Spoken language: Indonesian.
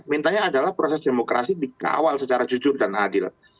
mintanya adalah proses demokrasi dikawal secara jujur dan adil